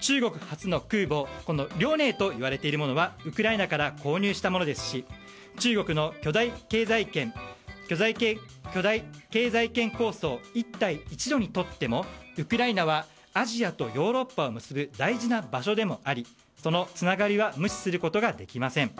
中国初の空母「遼寧」と言われているものはウクライナから購入したものですし中国の巨大経済圏構想一帯一路にとってもウクライナはアジアとヨーロッパを結ぶ大事な場所でもありそのつながりは無視することができません。